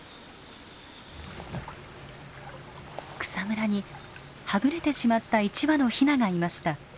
草むらにはぐれてしまった１羽のヒナがいました。